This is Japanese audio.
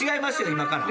今から。